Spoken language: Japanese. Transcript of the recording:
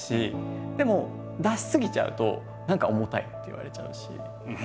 でも出し過ぎちゃうと何か重たいって言われちゃうし。